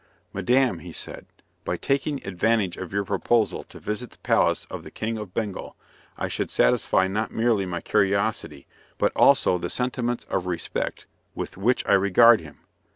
"Madame," he said, "by taking advantage of your proposal to visit the palace of the King of Bengal, I should satisfy not merely my curiosity, but also the sentiments of respect with which I regard him.